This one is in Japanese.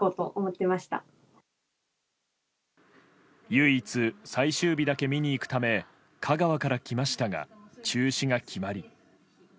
唯一、最終日だけ見に行くため香川から来ましたが中止が決まり。